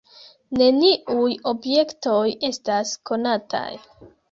Neniuj objektoj estas konataj.